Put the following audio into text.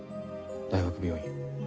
大学病院。